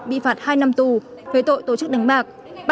bị phạt hai năm tù về tội tổ chức đánh bạc